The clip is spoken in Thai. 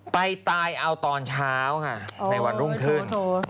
ไปตายเอาตอนเช้าค่ะในวันรุ่งขึ้น